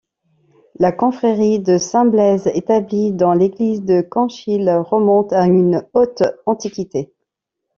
La confrérie de Saint-Blaise établie dans l'église de Conchil remonte à une haute antiquité.